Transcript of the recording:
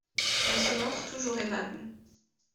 Elle se montre toujours aimable.